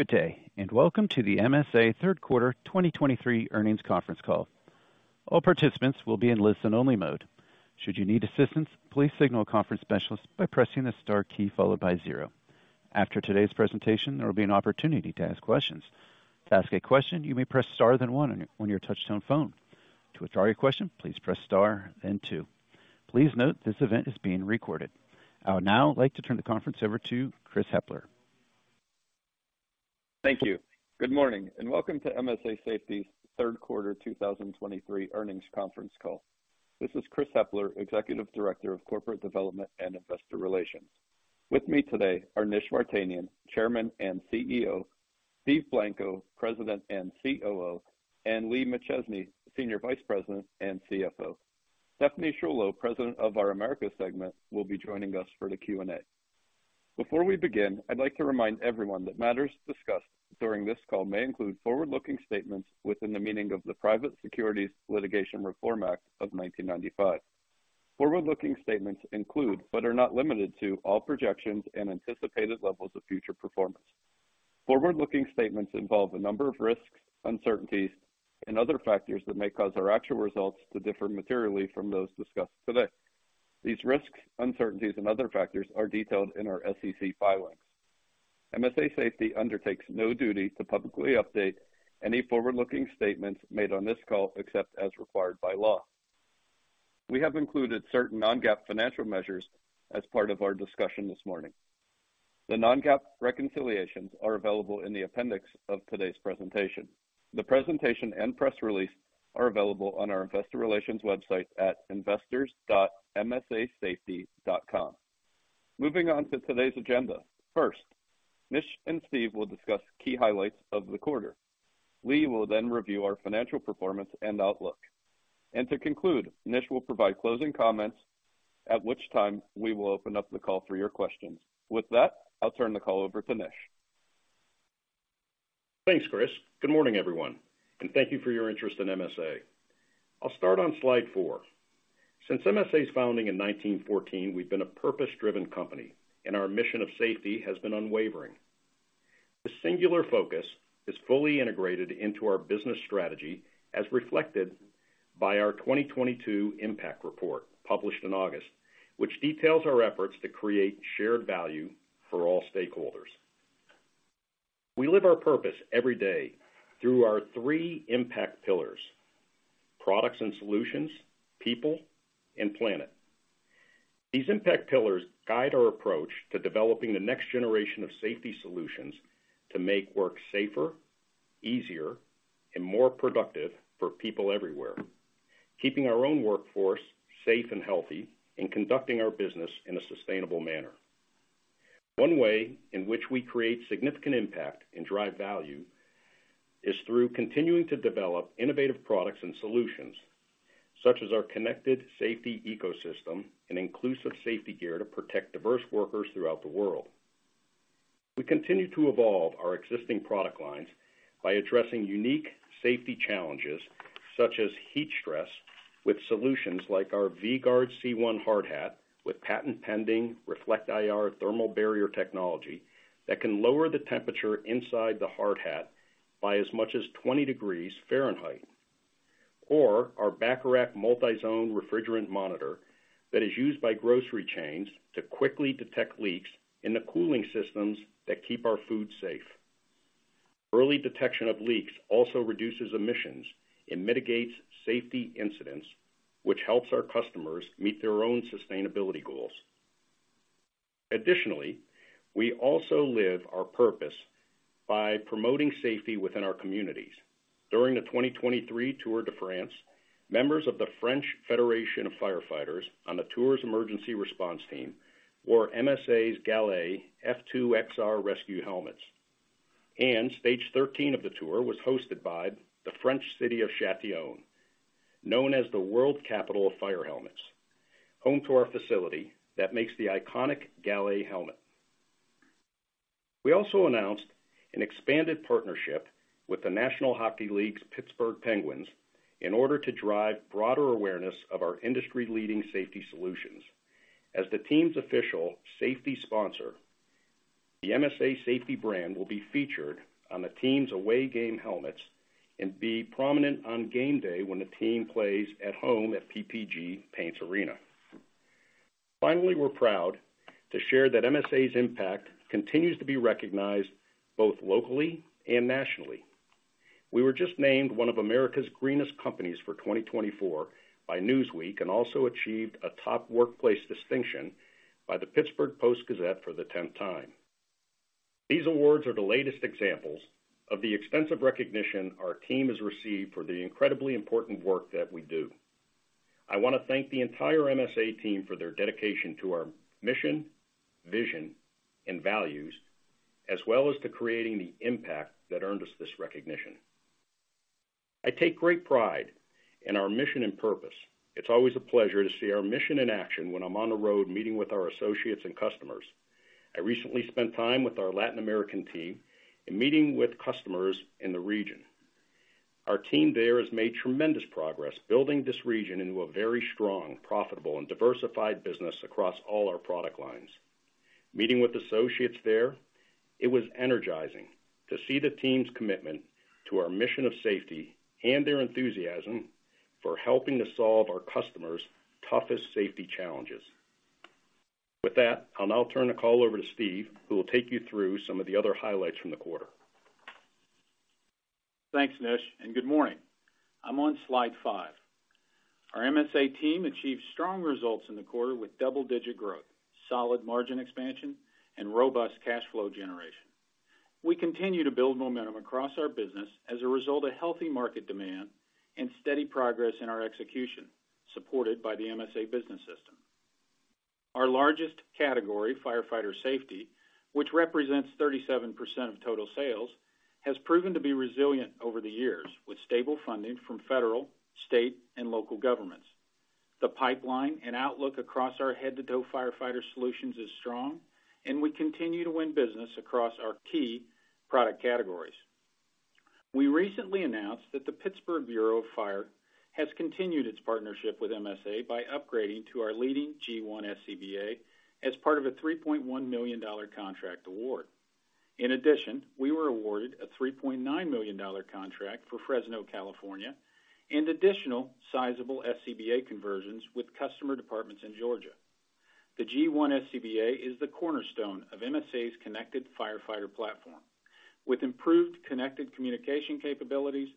Good day, and welcome to the MSA Third Quarter 2023 Earnings Conference Call. All participants will be in listen-only mode. Should you need assistance, please signal a conference specialist by pressing the star key followed by zero. After today's presentation, there will be an opportunity to ask questions. To ask a question, you may press star, then one on your touch-tone phone. To withdraw your question, please press star and two. Please note, this event is being recorded. I would now like to turn the conference over to Chris Hepler. Thank you. Good morning, and welcome to MSA Safety's Third Quarter 2023 Earnings Conference Call. This is Chris Hepler, Executive Director of Corporate Development and Investor Relations. With me today are Nish Vartanian, Chairman and CEO, Steve Blanco, President and COO, and Lee McChesney, Senior Vice President and CFO. Stephanie Sciullo, President of our Americas Segment, will be joining us for the Q&A. Before we begin, I'd like to remind everyone that matters discussed during this call may include forward-looking statements within the meaning of the Private Securities Litigation Reform Act of 1995. Forward-looking statements include, but are not limited to, all projections and anticipated levels of future performance. Forward-looking statements involve a number of risks, uncertainties, and other factors that may cause our actual results to differ materially from those discussed today. These risks, uncertainties, and other factors are detailed in our SEC filings. MSA Safety undertakes no duty to publicly update any forward-looking statements made on this call, except as required by law. We have included certain non-GAAP financial measures as part of our discussion this morning. The non-GAAP reconciliations are available in the appendix of today's presentation. The presentation and press release are available on our investor relations website at investors.msasafety.com. Moving on to today's agenda. First, Nish and Steve will discuss key highlights of the quarter. Lee will then review our financial performance and outlook. And to conclude, Nish will provide closing comments, at which time we will open up the call for your questions. With that, I'll turn the call over to Nish. Thanks, Chris. Good morning, everyone, and thank you for your interest in MSA. I'll start on slide four. Since MSA's founding in 1914, we've been a purpose-driven company, and our mission of safety has been unwavering. The singular focus is fully integrated into our business strategy, as reflected by our 2022 Impact Report, published in August, which details our efforts to create shared value for all stakeholders. We live our purpose every day through our three impact pillars: products and solutions, people, and planet. These impact pillars guide our approach to developing the next generation of safety solutions to make work safer, easier, and more productive for people everywhere, keeping our own workforce safe and healthy, and conducting our business in a sustainable manner. One way in which we create significant impact and drive value is through continuing to develop innovative products and solutions, such as our Connected Safety Ecosystem and inclusive safety gear to protect diverse workers throughout the world. We continue to evolve our existing product lines by addressing unique safety challenges, such as heat stress, with solutions like our V-Gard C1 Hard Hat, with patent-pending ReflectIR thermal barrier technology that can lower the temperature inside the hard hat by as much as 20 degrees Fahrenheit, or our Bacharach Multi-Zone Refrigerant Monitor that is used by grocery chains to quickly detect leaks in the cooling systems that keep our food safe. Early detection of leaks also reduces emissions and mitigates safety incidents, which helps our customers meet their own sustainability goals. Additionally, we also live our purpose by promoting safety within our communities. During the 2023 Tour de France, members of the French Federation of Firefighters on the Tour's Emergency Response Team wore MSA's Gallet F2XR rescue helmets, and Stage 13 of the Tour was hosted by the French city of Châtillon, known as the world capital of fire helmets, home to our facility that makes the iconic Gallet helmet. We also announced an expanded partnership with the National Hockey League's Pittsburgh Penguins in order to drive broader awareness of our industry-leading safety solutions. As the team's official safety sponsor, the MSA Safety brand will be featured on the team's away game helmets and be prominent on game day when the team plays at home at PPG Paints Arena. Finally, we're proud to share that MSA's impact continues to be recognized both locally and nationally. We were just named one of America's greenest companies for 2024 by Newsweek, and also achieved a top workplace distinction by the Pittsburgh Post-Gazette for the 10th time. These awards are the latest examples of the extensive recognition our team has received for the incredibly important work that we do. I want to thank the entire MSA team for their dedication to our mission, vision, and values, as well as to creating the impact that earned us this recognition. I take great pride in our mission and purpose. It's always a pleasure to see our mission in action when I'm on the road, meeting with our associates and customers. I recently spent time with our Latin American team and meeting with customers in the region. Our team there has made tremendous progress building this region into a very strong, profitable, and diversified business across all our product lines. Meeting with associates there, it was energizing to see the team's commitment to our mission of safety and their enthusiasm for helping to solve our customers' toughest safety challenges. With that, I'll now turn the call over to Steve, who will take you through some of the other highlights from the quarter. Thanks, Nish, and good morning. I'm on slide five. Our MSA team achieved strong results in the quarter with double-digit growth, solid margin expansion, and robust cash flow generation. We continue to build momentum across our business as a result of healthy market demand and steady progress in our execution, supported by the MSA Business System. Our largest category, firefighter safety, which represents 37% of total sales, has proven to be resilient over the years, with stable funding from federal, state, and local governments. The pipeline and outlook across our head-to-toe firefighter solutions is strong, and we continue to win business across our key product categories. We recently announced that the Pittsburgh Bureau of Fire has continued its partnership with MSA by upgrading to our leading G1 SCBA as part of a $3.1 million contract award. In addition, we were awarded a $3.9 million contract for Fresno, California, and additional sizable SCBA conversions with customer departments in Georgia. The G1 SCBA is the cornerstone of MSA's Connected Firefighter Platform, with improved connected communication capabilities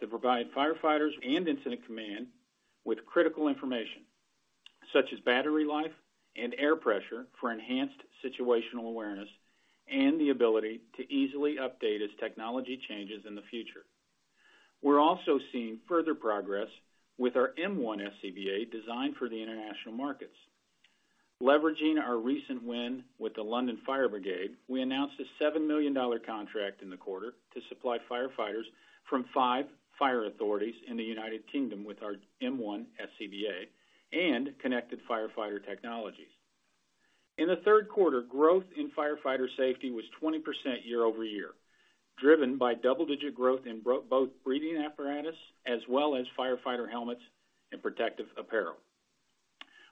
that provide firefighters and incident command with critical information, such as battery life and air pressure for enhanced situational awareness and the ability to easily update as technology changes in the future. We're also seeing further progress with our M1 SCBA, designed for the international markets. Leveraging our recent win with the London Fire Brigade, we announced a $7 million contract in the quarter to supply firefighters from five fire authorities in the United Kingdom with our M1 SCBA and connected firefighter technologies. In the Q3, growth in firefighter safety was 20% year-over-year, driven by double-digit growth in both breathing apparatus as well as firefighter helmets and protective apparel.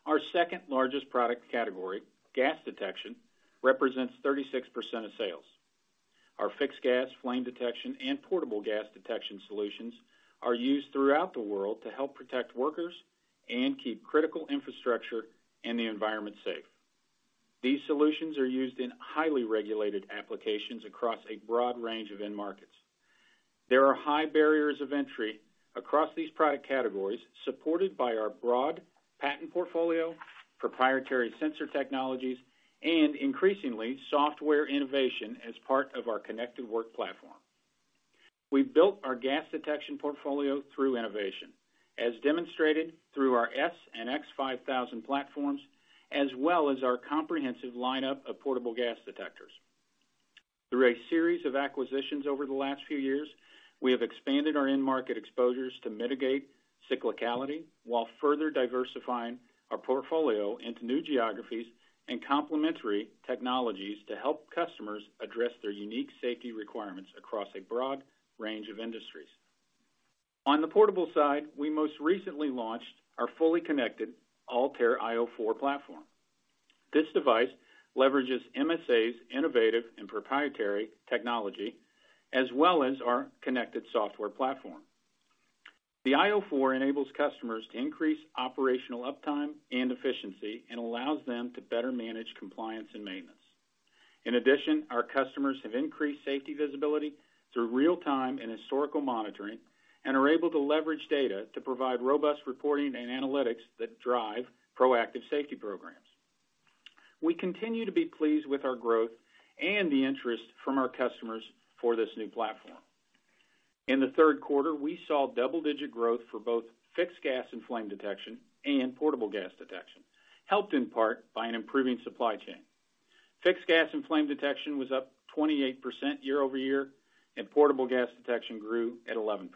Our second-largest product category, gas detection, represents 36% of sales. Our fixed gas, flame detection, and portable gas detection solutions are used throughout the world to help protect workers and keep critical infrastructure and the environment safe. These solutions are used in highly regulated applications across a broad range of end markets. There are high barriers of entry across these product categories, supported by our broad patent portfolio, proprietary sensor technologies, and increasingly, software innovation as part of our Connected Work Platform. We built our gas detection portfolio through innovation, as demonstrated through our S5000 and X5000 platforms, as well as our comprehensive lineup of portable gas detectors. Through a series of acquisitions over the last few years, we have expanded our end market exposures to mitigate cyclicality, while further diversifying our portfolio into new geographies and complementary technologies to help customers address their unique safety requirements across a broad range of industries. On the portable side, we most recently launched our fully connected ALTAIR io4 platform. This device leverages MSA's innovative and proprietary technology, as well as our connected software platform. The io 4 enables customers to increase operational uptime and efficiency and allows them to better manage compliance and maintenance. In addition, our customers have increased safety visibility through real-time and historical monitoring and are able to leverage data to provide robust reporting and analytics that drive proactive safety programs. We continue to be pleased with our growth and the interest from our customers for this new platform. In the Q3, we saw double-digit growth for both fixed gas and flame detection and portable gas detection, helped in part by an improving supply chain. Fixed gas and flame detection was up 28% year-over-year, and portable gas detection grew at 11%.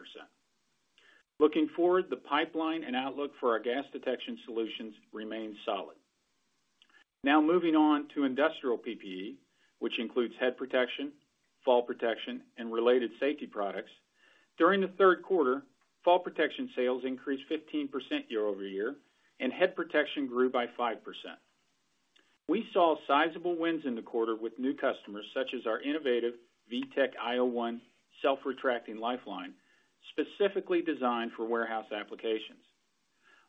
Looking forward, the pipeline and outlook for our gas detection solutions remain solid. Now, moving on to industrial PPE, which includes head protection, fall protection, and related safety products. During the Q3, fall protection sales increased 15% year-over-year, and head protection grew by 5%. We saw sizable wins in the quarter with new customers, such as our innovative V-TEC io1 self-retracting lifeline, specifically designed for warehouse applications.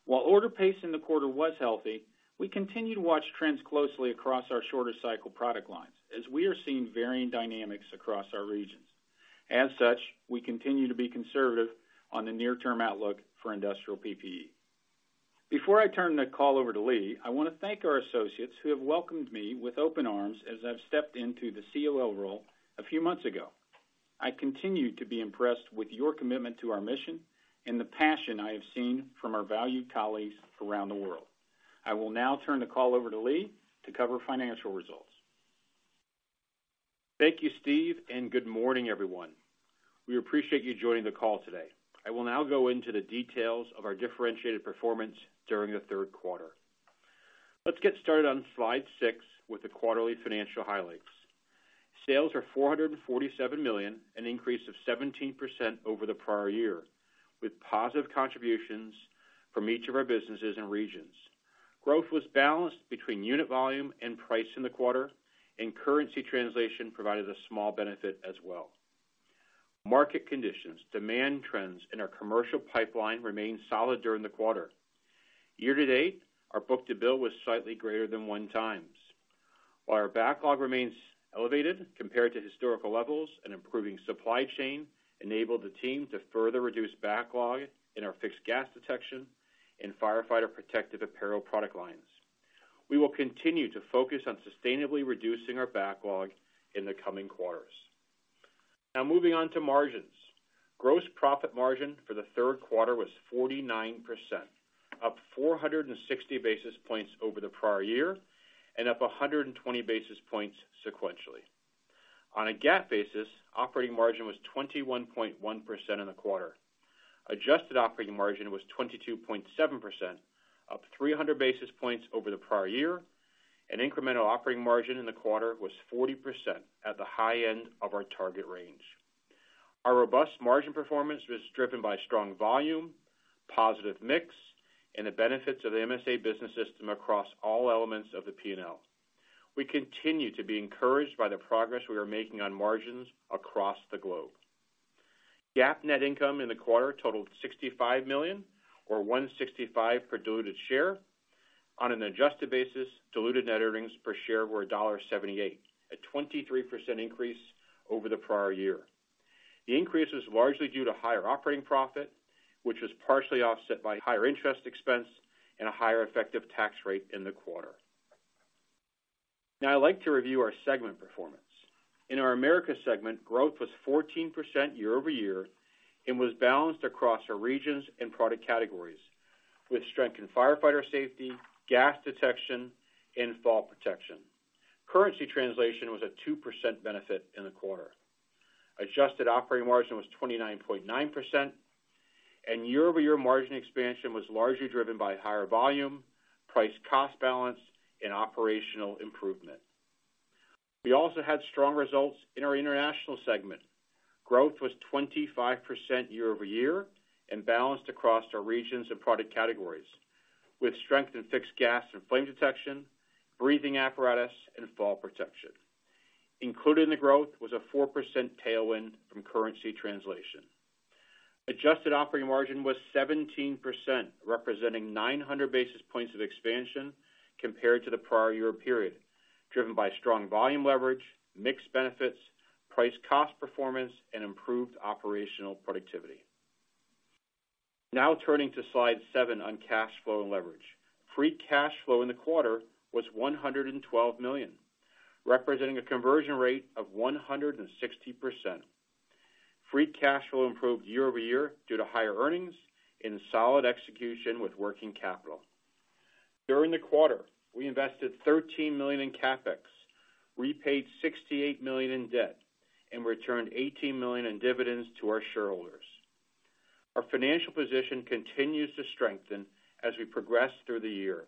While order pace in the quarter was healthy, we continue to watch trends closely across our shorter cycle product lines, as we are seeing varying dynamics across our regions. As such, we continue to be conservative on the near-term outlook for industrial PPE. Before I turn the call over to Lee, I want to thank our associates who have welcomed me with open arms as I've stepped into the COO role a few months ago. I continue to be impressed with your commitment to our mission and the passion I have seen from our valued colleagues around the world. I will now turn the call over to Lee to cover financial results. Thank you, Steve, and good morning, everyone. We appreciate you joining the call today. I will now go into the details of our differentiated performance during the Q3. Let's get started on slide six with the quarterly financial highlights. Sales are $447 million, an increase of 17% over the prior year, with positive contributions from each of our businesses and regions. Growth was balanced between unit volume and price in the quarter, and currency translation provided a small benefit as well. Market conditions, demand trends, and our commercial pipeline remained solid during the quarter. Year-to-date, our book-to-bill was slightly greater than one times. While our backlog remains elevated compared to historical levels, an improving supply chain enabled the team to further reduce backlog in our fixed gas detection and firefighter protective apparel product lines. We will continue to focus on sustainably reducing our backlog in the coming quarters. Now, moving on to margins. Gross profit margin for the Q3 was 49%, up 460 basis points over the prior year, and up 120 basis points sequentially. On a GAAP basis, operating margin was 21.1% in the quarter. Adjusted operating margin was 22.7%, up 300 basis points over the prior year, and incremental operating margin in the quarter was 40% at the high end of our target range. Our robust margin performance was driven by strong volume, positive mix, and the benefits of the MSA business system across all elements of the P&L. We continue to be encouraged by the progress we are making on margins across the globe. GAAP net income in the quarter totaled $65 million, or $1.65 per diluted share. On an adjusted basis, diluted net earnings per share were $1.78, a 23% increase over the prior year. The increase was largely due to higher operating profit, which was partially offset by higher interest expense and a higher effective tax rate in the quarter. Now, I'd like to review our segment performance. In our Americas segment, growth was 14% year-over-year and was balanced across our regions and product categories, with strength in firefighter safety, gas detection, and fall protection. Currency translation was a 2% benefit in the quarter. Adjusted operating margin was 29.9%, and year-over-year margin expansion was largely driven by higher volume, price cost balance, and operational improvement. We also had strong results in our International segment. Growth was 25% year-over-year and balanced across our regions and product categories, with strength in fixed gas and flame detection, breathing apparatus, and fall protection. Included in the growth was a 4% tailwind from currency translation. Adjusted operating margin was 17%, representing 900 basis points of expansion compared to the prior year period, driven by strong volume leverage, mixed benefits, price cost performance, and improved operational productivity. Now turning to slide seven on cash flow and leverage. Free cash flow in the quarter was $112 million, representing a conversion rate of 160%. Free cash flow improved year-over-year due to higher earnings and solid execution with working capital. During the quarter, we invested $13 million in CapEx, repaid $68 million in debt, and returned $18 million in dividends to our shareholders. Our financial position continues to strengthen as we progress through the year.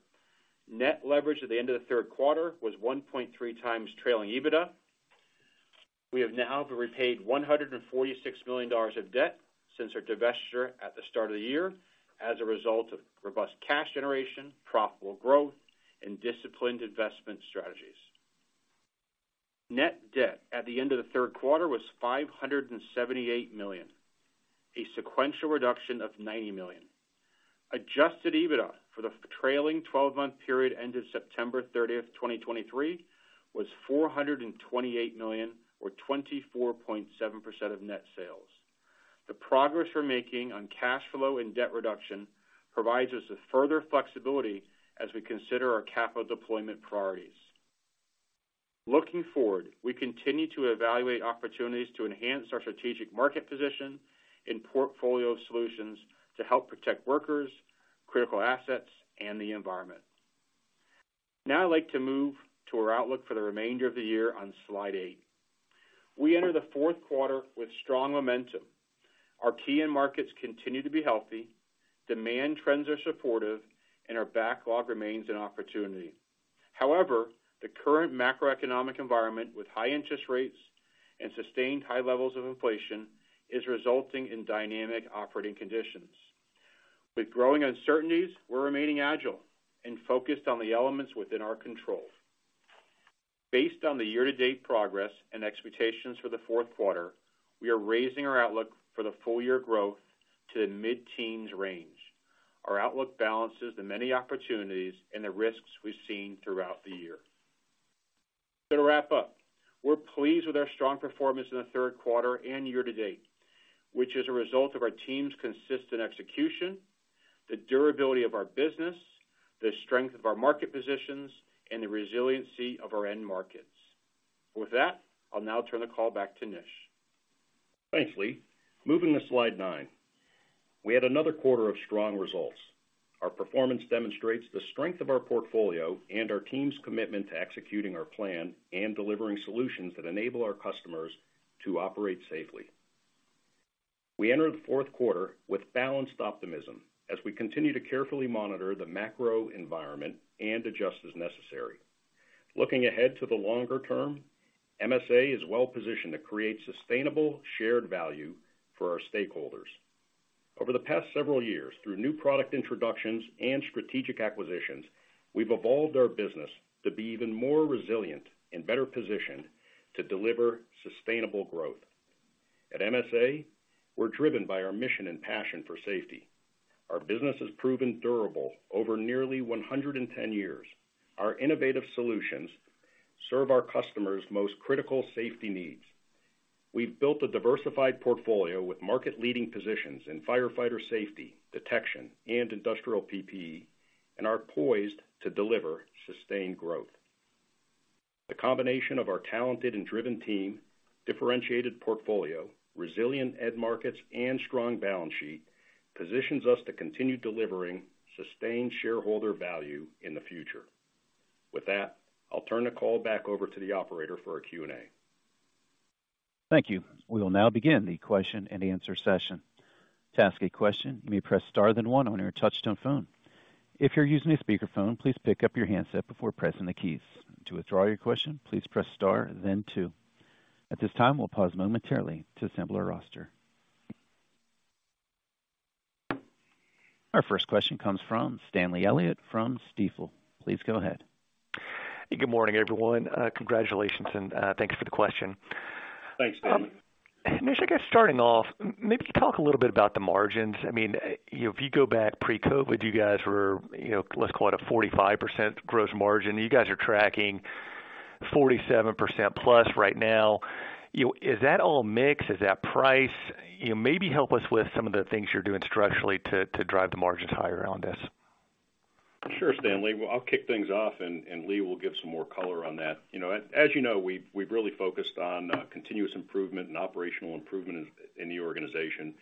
Net leverage at the end of the Q3 was 1.3 times trailing EBITDA. We have now repaid $146 million of debt since our divestiture at the start of the year, as a result of robust cash generation, profitable growth, and disciplined investment strategies. Net debt at the end of the Q3 was $578 million, a sequential reduction of $90 million. Adjusted EBITDA for the trailing twelve-month period ended September 30, 2023, was $428 million, or 24.7% of net sales. The progress we're making on cash flow and debt reduction provides us with further flexibility as we consider our capital deployment priorities. Looking forward, we continue to evaluate opportunities to enhance our strategic market position and portfolio of solutions to help protect workers, critical assets, and the environment. Now, I'd like to move to our outlook for the remainder of the year on slide eight. We enter the Q4 with strong momentum. Our key end markets continue to be healthy, demand trends are supportive, and our backlog remains an opportunity. However, the current macroeconomic environment, with high interest rates and sustained high levels of inflation, is resulting in dynamic operating conditions. With growing uncertainties, we're remaining agile and focused on the elements within our control. Based on the year-to-date progress and expectations for the Q4 we are raising our outlook for the full year growth to the mid-teens range. Our outlook balances the many opportunities and the risks we've seen throughout the year. To wrap up, we're pleased with our strong performance in the Q3 and year to date, which is a result of our team's consistent execution, the durability of our business, the strength of our market positions, and the resiliency of our end markets. With that, I'll now turn the call back to Nish. Thanks, Lee. Moving to slide nine. We had another quarter of strong results. Our performance demonstrates the strength of our portfolio and our team's commitment to executing our plan and delivering solutions that enable our customers to operate safely. We entered the Q4 with balanced optimism as we continue to carefully monitor the macro environment and adjust as necessary. Looking ahead to the longer term, MSA is well-positioned to create sustainable, shared value for our stakeholders. Over the past several years, through new product introductions and strategic acquisitions, we've evolved our business to be even more resilient and better positioned to deliver sustainable growth. At MSA, we're driven by our mission and passion for safety. Our business has proven durable over nearly 110 years. Our innovative solutions serve our customers' most critical safety needs. We've built a diversified portfolio with market-leading positions in firefighter safety, detection, and industrial PPE, and are poised to deliver sustained growth. The combination of our talented and driven team, differentiated portfolio, resilient end markets, and strong balance sheet, positions us to continue delivering sustained shareholder value in the future. With that, I'll turn the call back over to the operator for a Q&A. Thank you. We will now begin the Q&A session. To ask a question, you may press star then one on your touchtone phone. If you're using a speakerphone, please pick up your handset before pressing the keys. To withdraw your question, please press star then two. At this time, we'll pause momentarily to assemble our roster. Our first question comes from Stanley Elliott from Stifel. Please go ahead. Good morning, everyone. Congratulations, and thank you for the question. Thanks, Stanley. Nish, I guess starting off, maybe talk a little bit about the margins. I mean, you know, if you go back pre-COVID, you guys were, you know, let's call it a 45% gross margin. You guys are tracking 47% plus right now. You know, is that all mix? Is that price? You know, maybe help us with some of the things you're doing structurally to drive the margins higher on this. Sure, Stanley. Well, I'll kick things off, and, and Lee will give some more color on that. You know, as, as you know, we've, we've really focused on continuous improvement and operational improvement in, in the organization.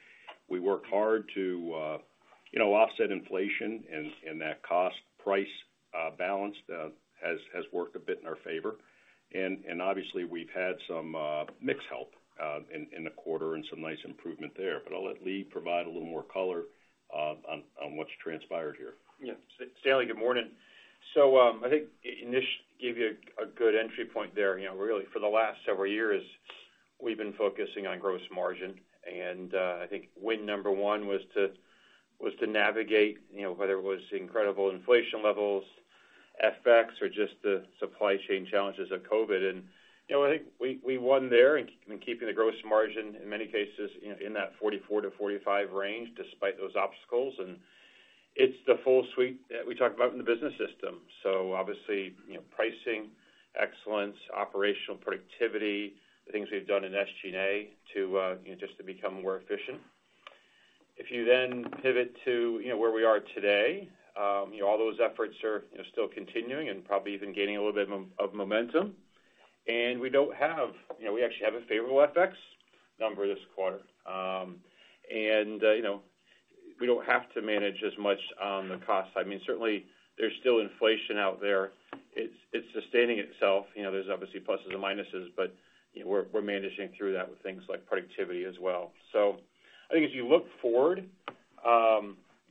We worked hard to, you know, offset inflation, and, and that cost-price balance has, has worked a bit in our favor. And, and obviously, we've had some mix help in, in the quarter and some nice improvement there. But I'll let Lee provide a little more color on what's transpired here. Yeah. Stanley, good morning. So, I think Nish gave you a good entry point there. You know, really, for the last several years, we've been focusing on gross margin, and I think win number one was to navigate, you know, whether it was incredible inflation levels, FX, or just the supply chain challenges of COVID. And, you know, I think we won there in keeping the gross margin, in many cases, in that 44% to 45% range, despite those obstacles, and it's the full suite that we talked about in the business system. So obviously, you know, pricing, excellence, operational productivity, the things we've done in SG&A to just become more efficient. If you then pivot to, you know, where we are today, you know, all those efforts are, you know, still continuing and probably even gaining a little bit more of momentum. And we don't have. You know, we actually have a favorable FX number this quarter. And, you know, we don't have to manage as much on the cost side. I mean, certainly, there's still inflation out there. It's, it's sustaining itself. You know, there's obviously pluses and minuses, but, you know, we're, we're managing through that with things like productivity as well. So I think if you look forward,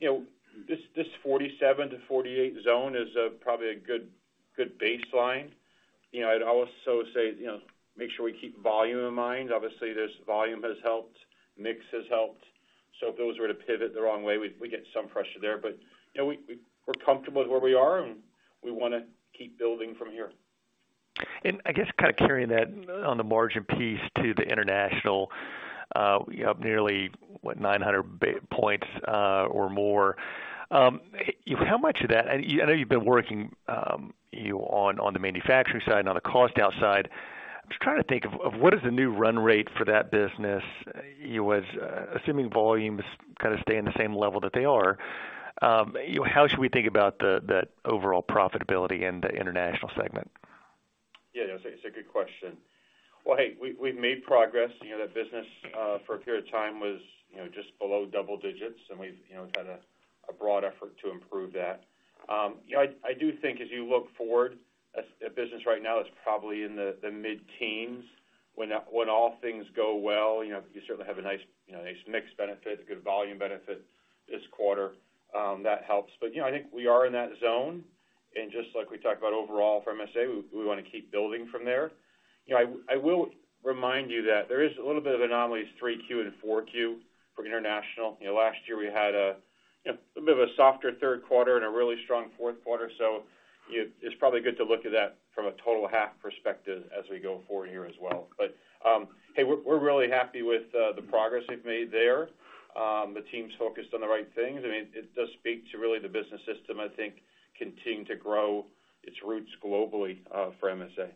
you know, this, this 47 to 48 zone is, probably a good, good baseline. You know, I'd also say, you know, make sure we keep volume in mind. Obviously, this volume has helped, mix has helped, so if those were to pivot the wrong way, we'd get some pressure there. But, you know, we're comfortable with where we are, and we wanna keep building from here. I guess kind of carrying that on the margin piece to the international, you up nearly, what, 900 basis points, or more. How much of that—I know you've been working, you know, on the manufacturing side and on the cost down side. I'm just trying to think of what is the new run rate for that business, you know, as assuming volumes kind of stay in the same level that they are, you know, how should we think about the overall profitability in the international segment? Yeah, it's a, it's a good question. Well, hey, we, we've made progress. You know, that business, for a period of time was, you know, just below double digits, and we've, you know, had a, a broad effort to improve that. You know, I do think as you look forward, as a business right now, it's probably in the, the mid-teens. When, when all things go well, you know, you certainly have a nice, you know, a nice mix benefit, a good volume benefit this quarter, that helps. But, you know, I think we are in that zone, and just like we talked about overall for MSA, we, we wanna keep building from there. You know, I will remind you that there is a little bit of anomalies, 3Q and 4Q, for international. You know, last year we had a you know, a bit of a softer Q3 and a really strong Q4. So it's probably good to look at that from a total half perspective as we go forward here as well. But, hey, we're really happy with the progress we've made there. The team's focused on the right things. I mean, it does speak to really the business system, I think, continuing to grow its roots globally, for MSA.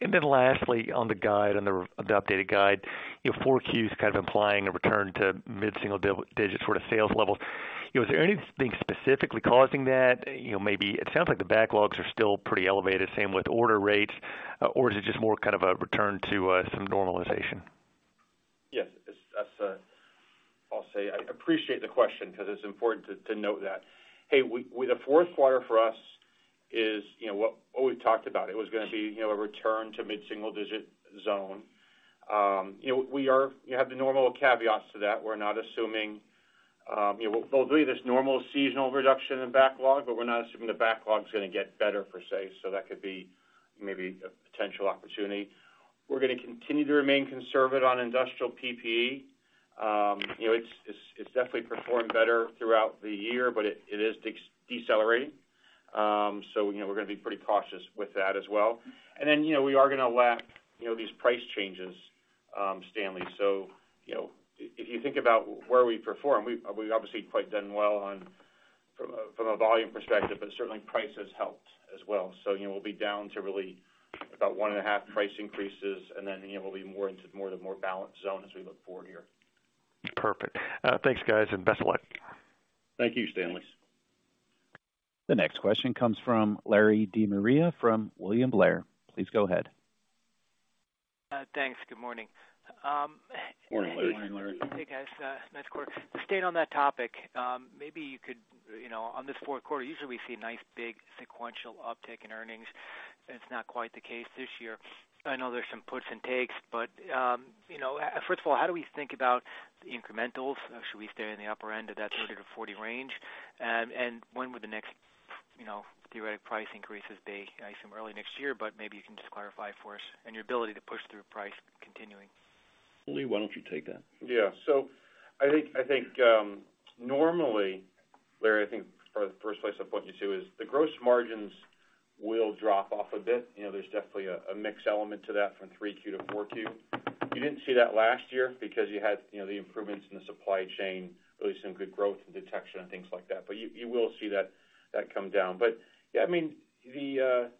Then lastly, on the guide, the updated guide, you know, Q4 is kind of implying a return to mid-single-digit sort of sales level. You know, is there anything specifically causing that? You know, maybe it sounds like the backlogs are still pretty elevated, same with order rates, or is it just more kind of a return to some normalization? Yes, it's, that's, I'll say I appreciate the question because it's important to note that. Hey, we, with the Q4 for us, you know, what we've talked about. It was gonna be, you know, a return to mid-single-digit zone. You know, you have the normal caveats to that. We're not assuming, you know, there'll be this normal seasonal reduction in backlog, but we're not assuming the backlog's gonna get better per se, so that could be maybe a potential opportunity. We're gonna continue to remain conservative on industrial PPE. You know, it's definitely performed better throughout the year, but it is decelerating. So, you know, we're gonna be pretty cautious with that as well. And then, you know, we are gonna lap, you know, these price changes, Stanley. So, you know, if you think about where we perform, we've, we've obviously quite done well from a volume perspective, but certainly price has helped as well. So, you know, we'll be down to really about 1.5 price increases, and then, you know, we'll be more into the more balanced zone as we look forward here. Perfect. Thanks, guys, and best of luck. Thank you, Stanley. The next question comes from Larry De Maria from William Blair. Please go ahead. Thanks. Good morning. Morning, Larry. Hey, guys, nice quarter. Staying on that topic, maybe you could, you know, on this Q4, usually we see a nice, big sequential uptick in earnings. It's not quite the case this year. I know there's some puts and takes, but, you know, first of all, how do we think about the incrementals? Should we stay in the upper end of that 30 to 40 range? And, and when would the next, you know, theoretical price increases be? I assume early next year, but maybe you can just clarify for us and your ability to push through price continuing. Lee, why don't you take that? Yeah. So I think, I think, normally, Larry, I think for the first place, I'll point you to is, the gross margins will drop off a bit. You know, there's definitely a mix element to that from 3Q to 4Q. You didn't see that last year because you had, you know, the improvements in the supply chain, really some good growth in detection and things like that. But you will see that come down. But, yeah, I mean, the...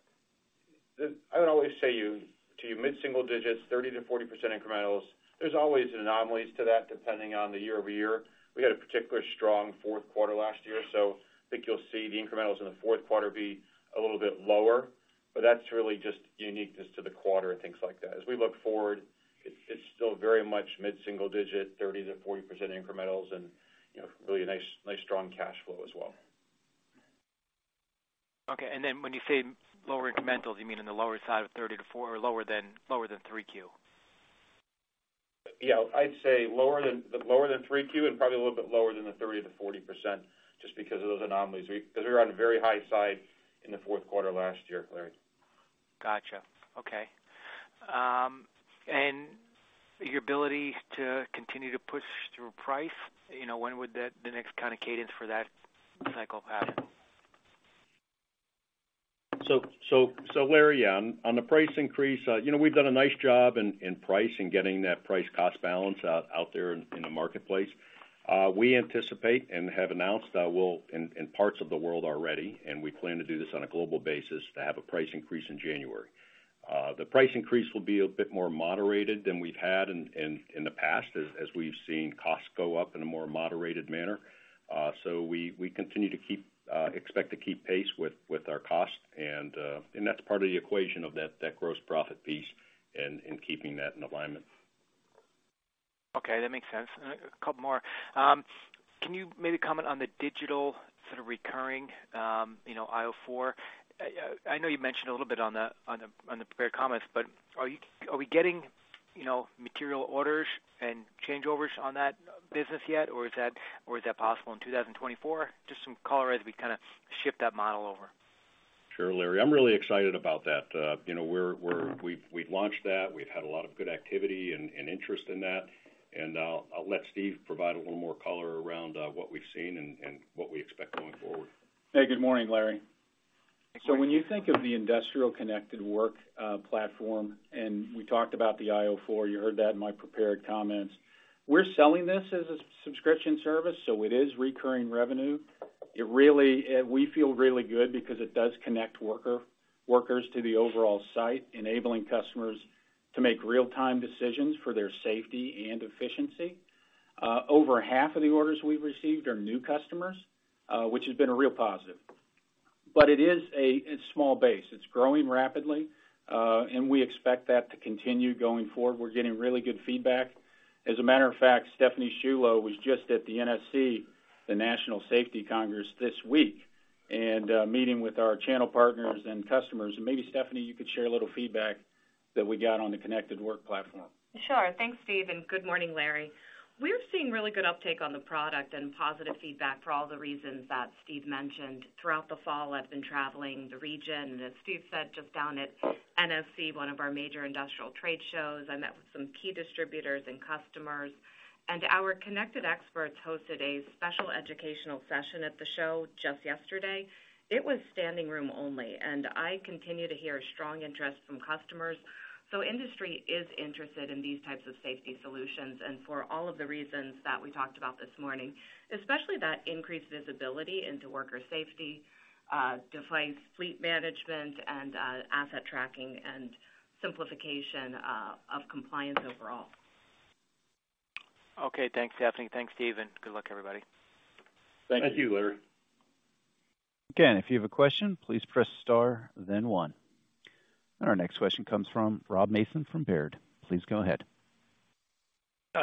I would always say you to mid-single digits, 30% to 40% incrementals. There's always anomalies to that, depending on the year-over-year. We had a particularly strong Q4 last year, so I think you'll see the incrementals in the Q4 be a little bit lower, but that's really just uniqueness to the quarter and things like that. As we look forward, it's still very much mid-single digit, 30% to 40% incrementals, and, you know, really a nice strong cash flow as well. Okay, and then when you say lower incrementals, you mean in the lower side of 30 to 40- or lower than, lower than 3Q? Yeah, I'd say lower than, lower than 3Q, and probably a little bit lower than the 30% to 40% just because of those anomalies. Because we were on a very high side in the Q4 last year, Larry. Gotcha. Okay. And your ability to continue to push through price, you know, when would that, the next kind of cadence for that cycle happen? So Larry, yeah, on the price increase, you know, we've done a nice job in price and getting that price cost balance out there in the marketplace. We anticipate and have announced that we'll in parts of the world already, and we plan to do this on a global basis, to have a price increase in January. The price increase will be a bit more moderated than we've had in the past, as we've seen costs go up in a more moderated manner. So we continue to expect to keep pace with our costs, and that's part of the equation of that gross profit piece and keeping that in alignment. Okay, that makes sense. And a couple more. Can you maybe comment on the digital sort of recurring, you know, IO 4? I know you mentioned a little bit on the prepared comments, but are we getting, you know, material orders and changeovers on that business yet, or is that possible in 2024? Just some color as we kind of shift that model over. Sure, Larry. I'm really excited about that. You know, we've launched that. We've had a lot of good activity and interest in that, and I'll let Steve provide a little more color around what we've seen and what we expect going forward. Hey, good morning, Larry. Good morning. So when you think of the industrial Connected Work Platform, and we talked about the io4, you heard that in my prepared comments. We're selling this as a subscription service, so it is recurring revenue. It really, we feel really good because it does connect workers to the overall site, enabling customers to make real-time decisions for their safety and efficiency. Over half of the orders we've received are new customers, which has been a real positive. But it is a small base. It's growing rapidly, and we expect that to continue going forward. We're getting really good feedback. As a matter of fact, Stephanie Sciullo was just at the NSC, the National Safety Congress, this week, and meeting with our channel partners and customers. Maybe, Stephanie, you could share a little feedback that we got on the Connected Work Platform. Sure. Thanks, Steve, and good morning, Larry. We're seeing really good uptake on the product and positive feedback for all the reasons that Steve mentioned. Throughout the fall, I've been traveling the region, and as Steve said, just down at NSC, one of our major industrial trade shows. I met with some key distributors and customers, and our connected experts hosted a special educational session at the show just yesterday. It was standing room only, and I continue to hear strong interest from customers. So industry is interested in these types of safety solutions, and for all of the reasons that we talked about this morning, especially that increased visibility into worker safety, device fleet management and asset tracking and simplification of compliance overall. Okay, thanks, Stephanie. Thanks, Steve, and good luck, everybody. Thank you, Larry. Again, if you have a question, please press Star, then One. And our next question comes from Rob Mason from Baird. Please go ahead.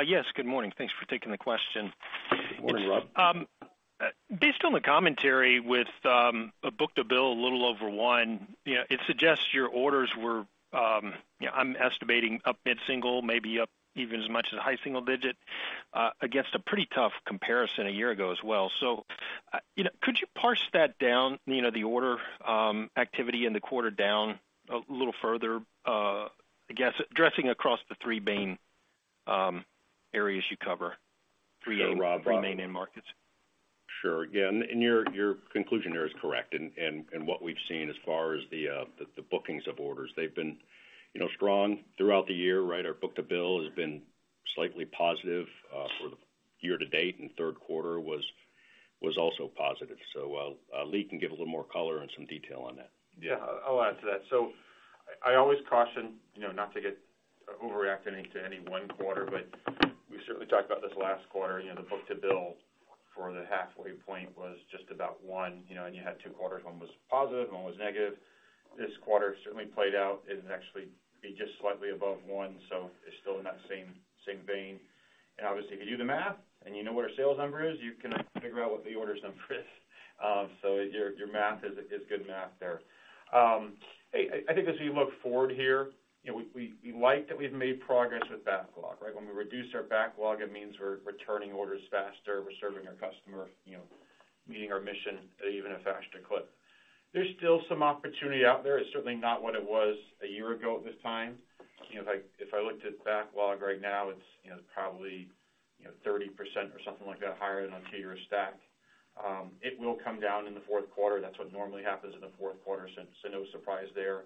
Yes, good morning. Thanks for taking the question. Good morning, Rob. Based on the commentary with a book-to-bill a little over one, you know, it suggests your orders were, you know, I'm estimating up mid-single, maybe up even as much as a high single digit, against a pretty tough comparison a year ago as well. So, you know, could you parse that down, you know, the order activity in the quarter down a little further, I guess, addressing across the three main areas you cover, three main- Sure, Rob Three main end markets? Sure. Yeah, and your conclusion there is correct. And what we've seen as far as the bookings of orders, they've been, you know, strong throughout the year, right? Our book-to-bill has been slightly positive for the year to date, and Q3 was also positive. So, Lee can give a little more color and some detail on that. Yeah, I'll add to that. So I always caution, you know, not to get overreacting to any one quarter, but we certainly talked about this last quarter. You know, the book-to-bill for the halfway point was just about one, you know, and you had two quarters, one was positive, one was negative. This quarter certainly played out, and actually be just slightly above one, so it's still in that same vein. And obviously, if you do the math and you know what our sales number is, you can figure out what the order number is. So your math is good math there. I think as we look forward here, you know, we like that we've made progress with backlog, right? When we reduce our backlog, it means we're returning orders faster, we're serving our customer, you know, meeting our mission at even a faster clip. There's still some opportunity out there. It's certainly not what it was a year ago at this time. You know, if I looked at backlog right now, it's, you know, probably, you know, 30% or something like that, higher than on tier stack. It will come down in the Q4. That's what normally happens in the Q4, so no surprise there.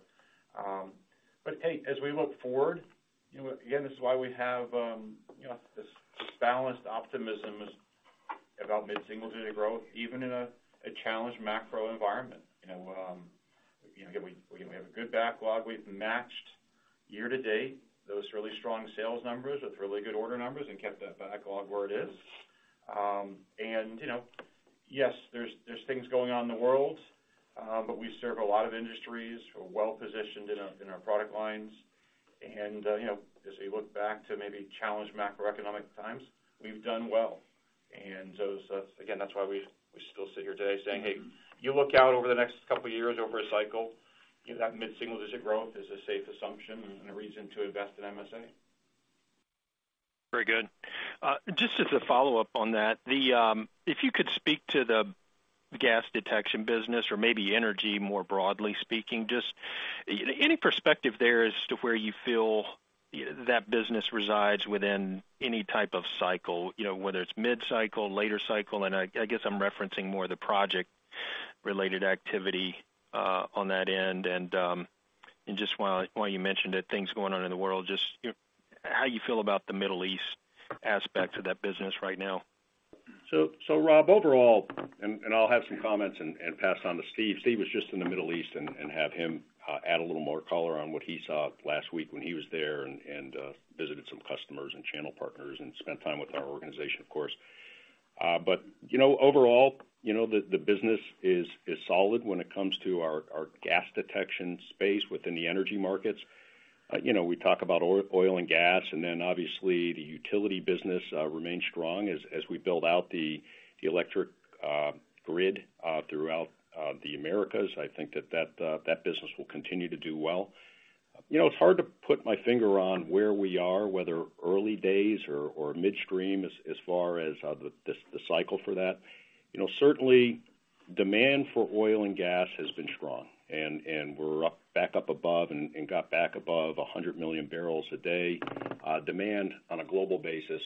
But hey, as we look forward, you know, again, this is why we have, you know, this, this balanced optimism is about mid-single digit growth, even in a, a challenged macro environment. You know, you know, we, we have a good backlog. We've matched year to date, those really strong sales numbers with really good order numbers and kept that backlog where it is. And, you know, yes, there's things going on in the world, but we serve a lot of industries. We're well-positioned in our product lines. And, you know, as we look back to maybe challenged macroeconomic times, we've done well. And so that's again, that's why we still sit here today saying, "Hey, you look out over the next couple of years, over a cycle, you know, that mid-single digit growth is a safe assumption and a reason to invest in MSA. Very good. Just as a follow-up on that, if you could speak to the gas detection business or maybe energy, more broadly speaking, just any perspective there as to where you feel that business resides within any type of cycle, you know, whether it's mid-cycle, late-cycle, and I, I guess I'm referencing more the project-related activity, on that end. And just while you mentioned it, things going on in the world, just, you know, how you feel about the Middle East aspect of that business right now? So, Rob, overall, and I'll have some comments and pass it on to Steve. Steve was just in the Middle East and have him add a little more color on what he saw last week when he was there and visited some customers and channel partners and spent time with our organization, of course. But, you know, overall, you know, the business is solid when it comes to our gas detection space within the energy markets. You know, we talk about oil and gas, and then obviously, the utility business remains strong as we build out the electric grid throughout the Americas. I think that business will continue to do well. You know, it's hard to put my finger on where we are, whether early days or midstream, as far as the cycle for that. You know, certainly, demand for oil and gas has been strong, and we're back up above and got back above 100 million barrels a day demand on a global basis.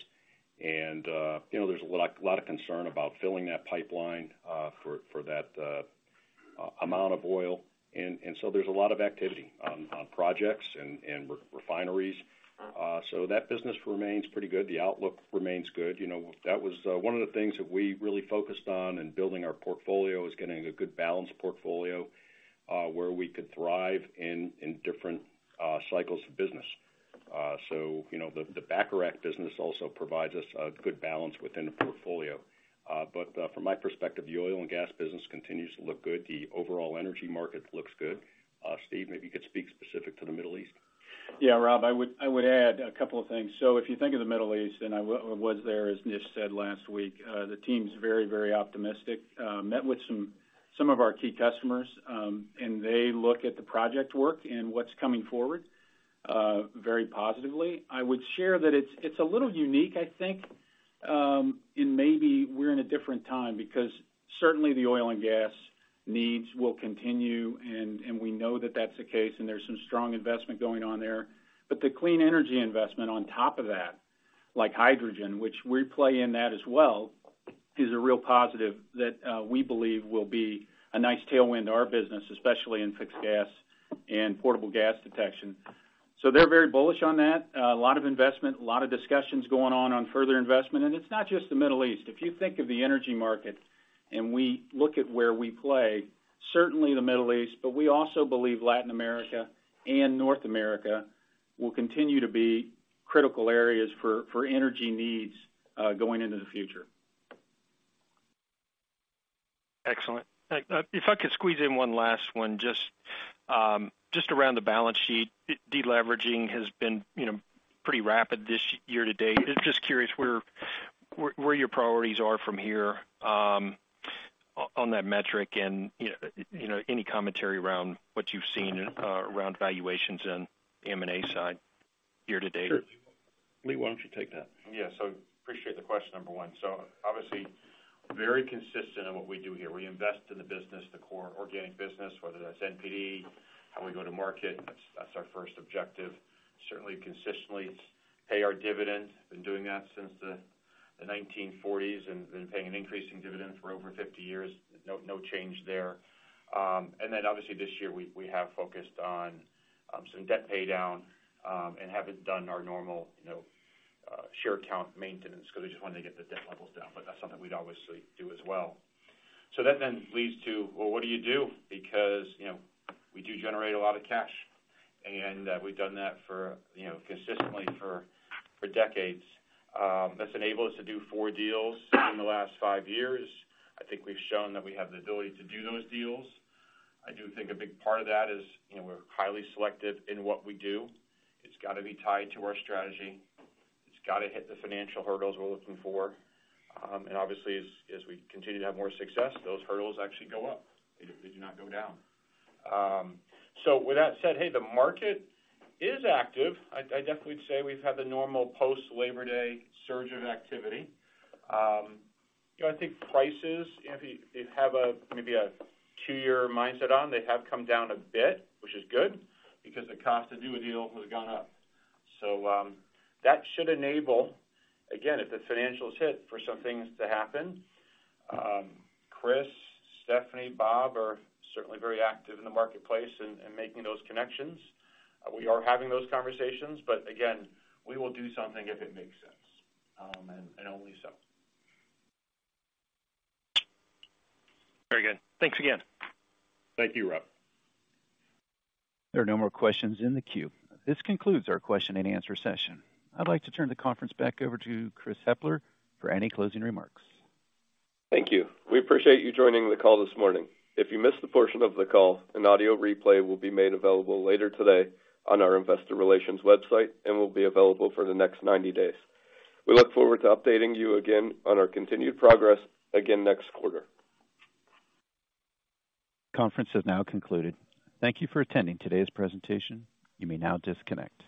And, you know, there's a lot of concern about filling that pipeline for that amount of oil. And so there's a lot of activity on projects and refineries. So that business remains pretty good. The outlook remains good. You know, that was one of the things that we really focused on in building our portfolio, is getting a good balanced portfolio, where we could thrive in different cycles of business. So, you know, the Bacharach business also provides us a good balance within the portfolio. But, from my perspective, the oil and gas business continues to look good. The overall energy market looks good. Steve, maybe you could speak specific to the Middle East. Yeah, Rob, I would, I would add a couple of things. So if you think of the Middle East, and I was there, as Nish said last week, the team's very, very optimistic. Met with some, some of our key customers, and they look at the project work and what's coming forward, very positively. I would share that it's, it's a little unique, I think, and maybe we're in a different time because certainly the oil and gas needs will continue, and, and we know that that's the case, and there's some strong investment going on there. But the clean energy investment on top of that, like hydrogen, which we play in that as well, is a real positive that we believe will be a nice tailwind to our business, especially in fixed gas and portable gas detection. So they're very bullish on that. A lot of investment, a lot of discussions going on, on further investment. It's not just the Middle East. If you think of the energy market and we look at where we play, certainly the Middle East, but we also believe Latin America and North America will continue to be critical areas for, for energy needs, going into the future. ... If I could squeeze in one last one, just, just around the balance sheet. Deleveraging has been, you know, pretty rapid this year to date. Just curious where your priorities are from here, on that metric, and, you know, you know, any commentary around what you've seen around valuations and M&A side year to date? Sure. Lee, why don't you take that? Yeah. So appreciate the question, number one. So obviously, very consistent in what we do here. We invest in the business, the core organic business, whether that's NPD, how we go to market, that's our first objective. Certainly, consistently pay our dividends. Been doing that since the 1940s and been paying an increasing dividend for over 50 years. No change there. And then obviously this year, we have focused on some debt paydown, and haven't done our normal, you know, share count maintenance, 'cause we just wanted to get the debt levels down, but that's something we'd obviously do as well. So that then leads to, well, what do you do? Because, you know, we do generate a lot of cash, and we've done that for, you know, consistently for decades. That's enabled us to do four deals in the last five years. I think we've shown that we have the ability to do those deals. I do think a big part of that is, you know, we're highly selective in what we do. It's gotta be tied to our strategy. It's gotta hit the financial hurdles we're looking for. And obviously, as we continue to have more success, those hurdles actually go up. They do not go down. So with that said, hey, the market is active. I definitely would say we've had the normal post-Labor Day surge of activity. You know, I think prices, if you have a maybe a two-year mindset on, they have come down a bit, which is good, because the cost to do a deal has gone up. So, that should enable, again, if the financials hit, for some things to happen. Chris, Stephanie, Bob are certainly very active in the marketplace and, and making those connections. We are having those conversations, but again, we will do something if it makes sense, and, and only so. Very good. Thanks again. Thank you, Rob. There are no more questions in the queue. This concludes our question-and-answer session. I'd like to turn the conference back over to Chris Hepler for any closing remarks. Thank you. We appreciate you joining the call this morning. If you missed a portion of the call, an audio replay will be made available later today on our investor relations website and will be available for the next 90 days. We look forward to updating you again on our continued progress again next quarter. Conference is now concluded. Thank you for attending today's presentation. You may now disconnect.